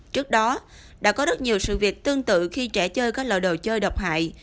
trước đó đã có rất nhiều sự việc tương tự khi trẻ chơi các loại đồ chơi độc hại